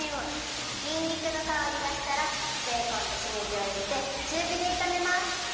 にんにくのかおりがしたらベーコンとしめじをいれてちゅうびでいためます。